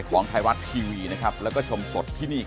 โปรดติดตามต่อไป